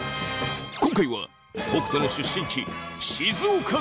今回は北斗の出身地静岡県。